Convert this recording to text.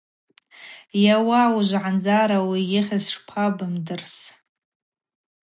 Йауа, уыжвгӏандзара ауи йыхьыз шпабымдырс?